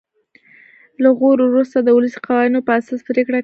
له غور وروسته د ولسي قوانینو په اساس پرېکړه کوي.